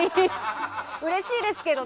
うれしいですけどね。